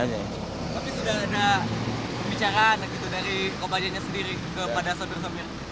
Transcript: tapi sudah ada pembicaraan dari kopajanya sendiri kepada sobir sobir